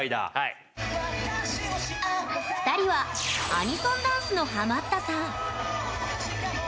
２人はアニソンダンスのハマったさん。